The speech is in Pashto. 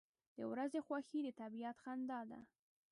• د ورځې خوښي د طبیعت خندا ده.